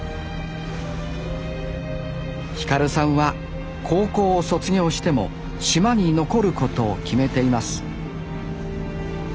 輝さんは高校を卒業しても島に残ることを決めています